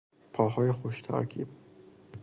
پاهای خوش ترکیب